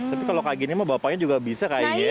tapi kalau kayak gini mah bapaknya juga bisa kayak gini ya